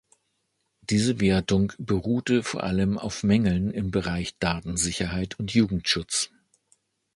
Diese Wertung beruhte vor allem auf Mängeln im Bereich Datensicherheit und Jugendschutz.